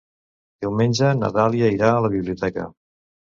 Diumenge na Dàlia irà a la biblioteca.